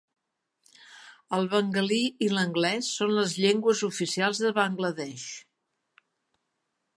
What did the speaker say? El bengalí i l'anglès són les llengües oficials de Bangladesh.